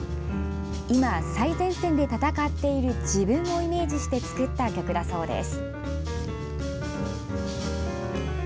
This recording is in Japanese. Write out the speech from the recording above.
今、最前線で闘っている自分をイメージして作った曲だそうです。